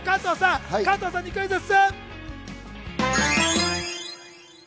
加藤さんにクイズッス！